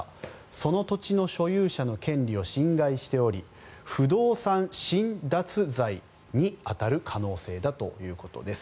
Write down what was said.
その土地の所有者の権利を侵害しており不動産侵奪罪に当たる可能性だということです。